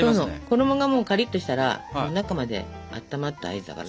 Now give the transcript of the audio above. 衣がもうカリッとしたら中まであったまった合図だから。